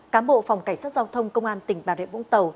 cám bộ phòng cảnh sát giao thông công an tỉnh bà rệ vũng tàu